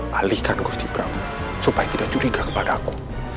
balikan gusti brahm supaya tidak curiga kepada aku